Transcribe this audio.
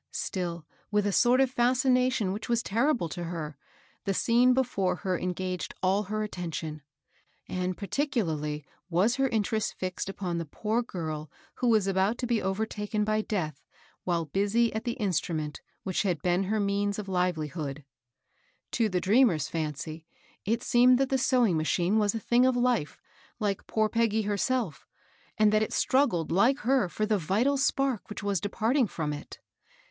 Still, with a sort of fascination which was terrible to her, the scene before her engaged all her atten DIED AT HER POST ! 161 tion ; and particularly was her interest fixed upon the poor girl who was about to be overtaken by death whfle busy at the instrument which had been her means of livelihood. To the dreamer's iancy, it seemed that the sew ing machine was a thing of life, like poor Peggy herself, and that it struggled like her for the vital spark which was departing from it.